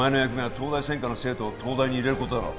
東大専科の生徒を東大に入れることだろう